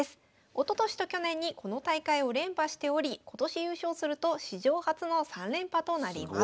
おととしと去年にこの大会を連覇しており今年優勝すると史上初の３連覇となります。